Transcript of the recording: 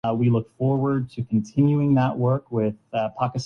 عمران خان کا قدم بھی ساتویں دھائی کی دہلیز پر ہے۔